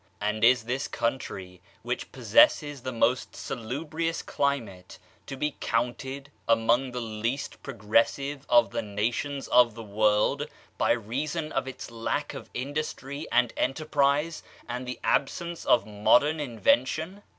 And is this country, which possesses the most salubrious climate, to be counted among the least progressive of the nations of the world, by reason of its lack of industry and enter prise, and the absence of modem invention?